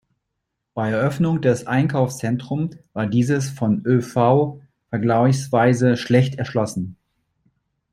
Bei Eröffnung des Einkaufszentrums war dieses vom ÖV vergleichsweise schlecht erschlossen.